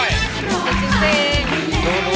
รู้หน่อย